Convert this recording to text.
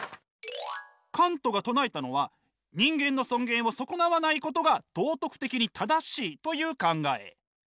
カントが唱えたのは人間の尊厳を損なわないことが道徳的に正しいという考え。